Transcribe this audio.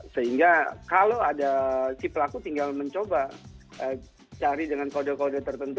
sehingga kalau ada si pelaku tinggal mencoba cari dengan kode kode tertentu